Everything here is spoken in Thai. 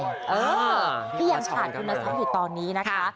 เออที่ยังผ่านคุณศาสตร์อยู่ตอนนี้นะคะ